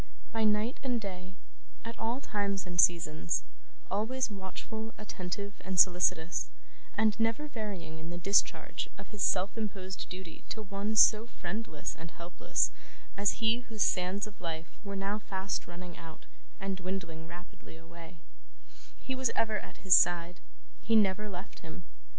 By night and day, at all times and seasons: always watchful, attentive, and solicitous, and never varying in the discharge of his self imposed duty to one so friendless and helpless as he whose sands of life were now fast running out and dwindling rapidly away: he was ever at his side. He never left him.